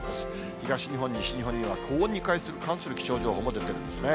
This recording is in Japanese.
東日本、西日本には高温に関する気象情報も出ているんですね。